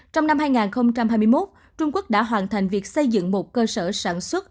trong năm hai nghìn hai mươi một trung quốc đã hoàn thành việc xây dựng một cơ sở sản xuất